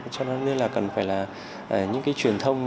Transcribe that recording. cho nên là cần phải là những cái truyền thông